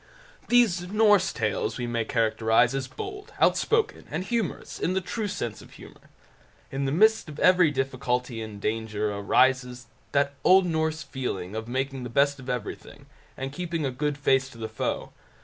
These Norse Tales we may characterize as bold, out spoken, and humorous, in the true sense of humour. In the midst of every difficulty and danger arises that old Norse feeling of making the best of everything, and keeping a good face to the foe.